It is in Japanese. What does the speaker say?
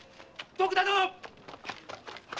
徳田殿っ！